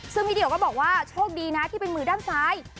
ซึ่งพี่เดี่ยวก็บอกว่าโชคดีนะที่เป็นมือด้านซ้าย